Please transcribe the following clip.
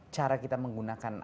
cara kita menggunakan